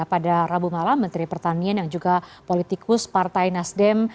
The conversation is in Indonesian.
pada rabu malam menteri pertanian yang juga politikus partai nasdem